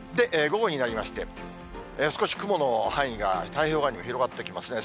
午後になりまして、少し雲の範囲が太平洋側にも広がってきますね。